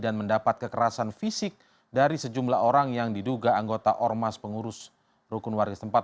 dan mendapat kekerasan fisik dari sejumlah orang yang diduga anggota ormas pengurus rukun waris iv